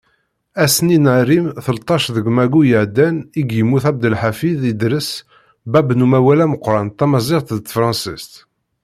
Ass-nni n arim, telṭac deg maggu iɛeddan, i yemmut Abdelḥafiḍ Idres bab n umawal ameqqran tamaziɣt d tefrensist.